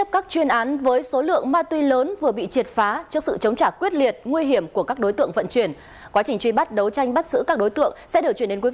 các bạn hãy đăng ký kênh để ủng hộ kênh của chúng mình nhé